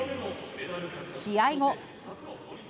試合後。